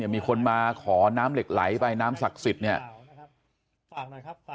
มีคนมาขอน้ำเหล็กไหลไปน้ำศักดิ์สิทธิ์เนี่ย